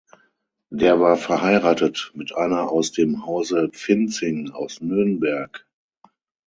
Der war verheiratet mit einer aus dem Hause Pfinzing aus Nürnberg.